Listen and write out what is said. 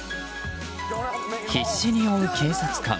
必死に追う警察官。